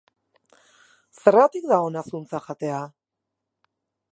Zergatik da ona zuntza jatea?